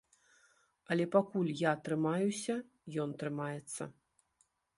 Але пакуль я трымаюся, ён трымаецца.